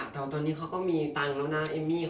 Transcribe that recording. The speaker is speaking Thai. แต่ว่าตอนนี้เขาก็มีตังค์แล้วนะเอมมี่